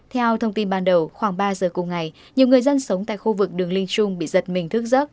theo thông tin ban đầu khoảng ba giờ cùng ngày nhiều người dân sống tại khu vực đường linh trung bị giật mình thức giấc